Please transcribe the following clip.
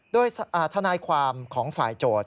โดยทนายความของฝ่ายโจทย์